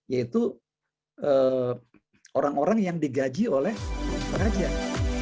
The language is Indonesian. yaitu orang orang yang digaji oleh pengajar